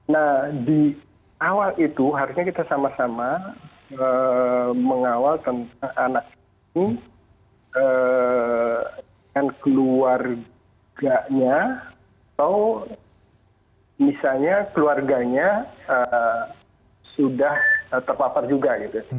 nah di awal itu harusnya kita sama sama mengawal tentang anak ini dengan keluarganya atau misalnya keluarganya sudah terpapar juga gitu